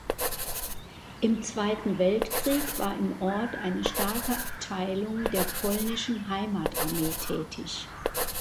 Im Zweiten Weltkrieg war im Ort eine starke Abteilung der Polnischen Heimatarmee tätig.